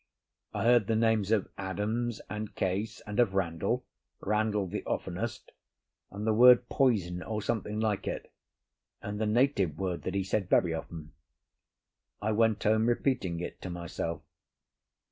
I heard the names of Adams and Case and of Randall—Randall the oftenest—and the word "poison," or something like it, and a native word that he said very often. I went home, repeating it to myself.